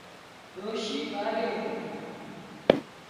ڏوشي ٻاري اونگتِي